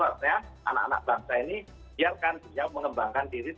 artinya anak anak bangsa ini biarkan beliau mengembangkan diri